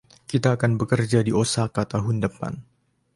Kita akan bekerja di Osaka tahun depan.